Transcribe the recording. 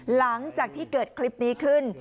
หลังจากที่เกิดคลิปนี้ขึ้น